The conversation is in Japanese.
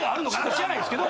知らないですけど。